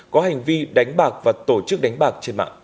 có hành vi đánh bạc và tổ chức đánh bạc